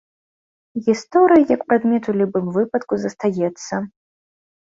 Гісторыя як прадмет у любым выпадку застаецца.